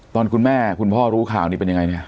ตอนคุณแม่คุณพ่อรู้ข่าวนี้เป็นยังไงเนี่ย